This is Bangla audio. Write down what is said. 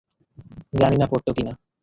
জানি না পরতো কি না।